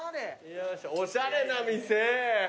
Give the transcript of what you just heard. おしゃれな店！